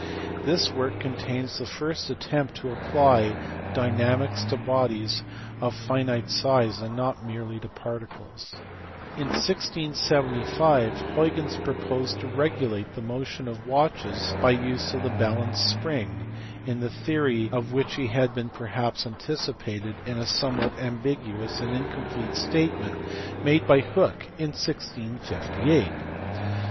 This work contains the first attempt to apply dynamics to bodies of finite size and not merely to particles. In 1675 Huygens proposed to regulate the motion of watches by the use of the balance spring, in the theory of which he had been perhaps anticipated in a somewhat am biguous and incomplete statement made by Hooke in 1G58.